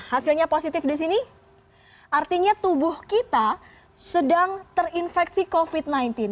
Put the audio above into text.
hasilnya positif di sini artinya tubuh kita sedang terinfeksi covid sembilan belas